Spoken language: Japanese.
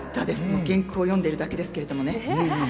原稿読んでるだけですけどね。